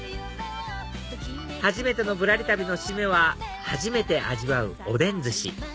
初めての『ぶらり旅』の締めは初めて味わうおでん寿司